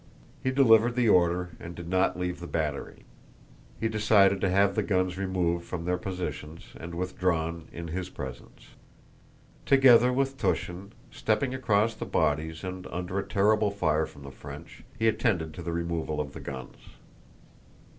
He delivered the order and did not leave the battery. He decided to have the guns removed from their positions and withdrawn in his presence. Together with Túshin, stepping across the bodies and under a terrible fire from the French, he attended to the removal of the guns.